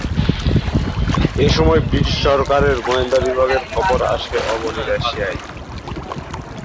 এসময় ব্রিটিশ সরকারের গোয়েন্দা বিভাগের খবর আসে অবনী রাশিয়ায়।